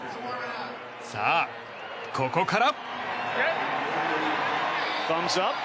さあ、ここから。